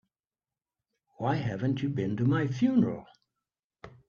Why haven't you been to my funeral?